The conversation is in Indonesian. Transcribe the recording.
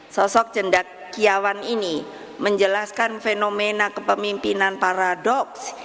sosok cendakiawan ini menjelaskan fenomena kepemimpinan paradoks